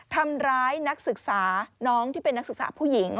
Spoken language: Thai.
ทำร้ายนักศึกษาน้องที่เป็นนักศึกษาผู้หญิง